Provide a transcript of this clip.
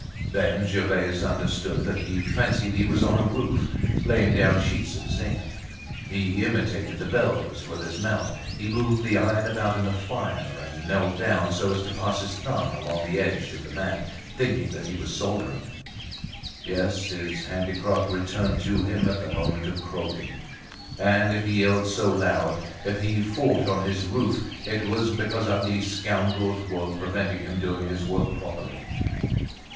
Then Gervaise understood that he fancied he was on a roof, laying down sheets of zinc. He imitated the bellows with his mouth, he moved the iron about in the fire and knelt down so as to pass his thumb along the edges of the mat, thinking that he was soldering it. Yes, his handicraft returned to him at the moment of croaking; and if he yelled so loud, if he fought on his roof, it was because ugly scoundrels were preventing him doing his work properly.